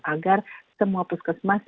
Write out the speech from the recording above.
agar semua puskesmas